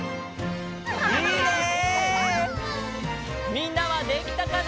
みんなはできたかな？